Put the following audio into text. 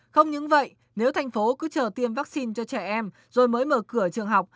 không những vậy nếu thành phố cứ chờ tiêm vaccine cho trẻ em rồi mới mở cửa trường học